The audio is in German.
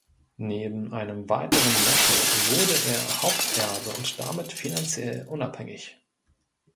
Neben einem weiteren Neffen wurde er Haupterbe und damit finanziell unabhängig.